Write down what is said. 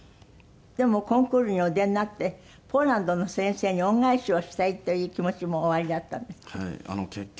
でもコンクールにお出になってポーランドの先生に恩返しをしたいという気持ちもおありだったんですって？